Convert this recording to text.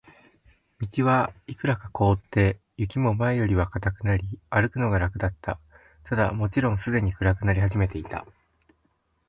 道はいくらか凍って、雪も前よりは固くなり、歩くのが楽だった。ただ、もちろんすでに暗くなり始めていた。